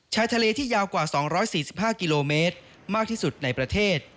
ชายทะเลที่ยาวกว่า๒๔๕กิโลเมตรมากที่สุดในประเทศ